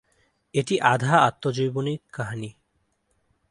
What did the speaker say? এটি আধা-আত্মজৈবণিক কাহিনী।